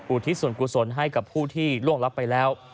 ทิศส่วนกุศลให้กับผู้ที่ล่วงรับไปแล้ว